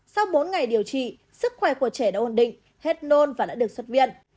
sau bốn ngày điều trị sức khỏe của trẻ đã ổn định hết nôn và đã được xuất viện